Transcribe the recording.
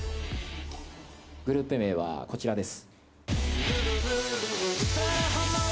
グループ名はこちらです。